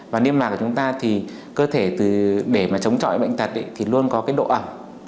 và niêm mạc của chúng ta thì cơ thể để chống chọi bệnh tật thì luôn có độ ẩm